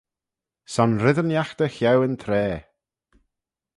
Son red ennagh dy cheau yn traa.